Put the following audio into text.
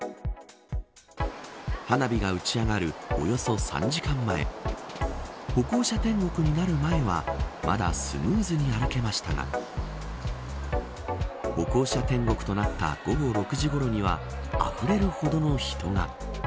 花火が打ち上がるおよそ３時間前歩行者天国になる前はまだスムーズに歩けましたが歩行者天国となった午後６時ころにはあふれるほどの人が。